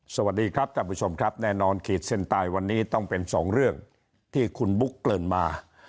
สวัสดีครับท่านผู้ชมครับแน่นอนขีดเส้นใต้วันนี้ต้องเป็นสองเรื่องที่คุณบุ๊กเกริ่นมา